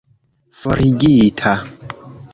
forigita